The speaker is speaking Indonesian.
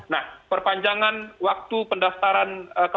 nah perpanjangan waktu pendaftaran